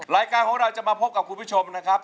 รายการของเราจะมาพบกับคุณผู้ชมนะครับ